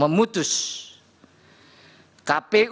yang pada intinya dkpp tidak memiliki kepentingan